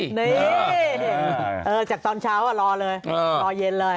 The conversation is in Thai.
นี่จากตอนเช้ารอเลยรอเย็นเลย